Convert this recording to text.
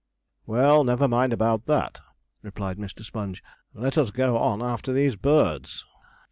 'Well, never mind about that,' replied Mr. Sponge; 'let us go on after these birds.'